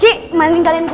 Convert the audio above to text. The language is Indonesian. kiki mending kalian gua